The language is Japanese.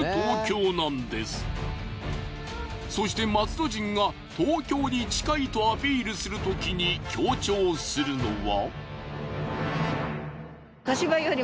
そして松戸人が東京に近いとアピールするときに強調するのは。